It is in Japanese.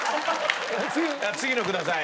次のください。